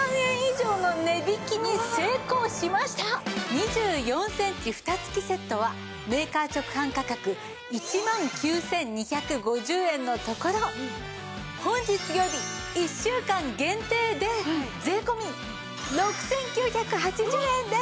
２４センチフタ付きセットはメーカー直販価格１万９２５０円のところ本日より１週間限定で税込６９８０円です！